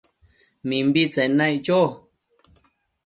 Mimbitsen naic cho